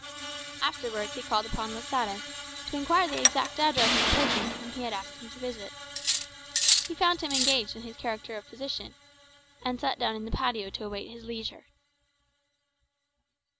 Afterwards he called upon Losada, to inquire the exact address of a person whom he had asked him to visit. He found him engaged in his character of physician, and sat down in the patio to await his leisure.